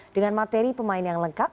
dengan materi pemain yang lengkap